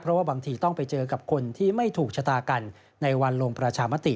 เพราะว่าบางทีต้องไปเจอกับคนที่ไม่ถูกชะตากันในวันลงประชามติ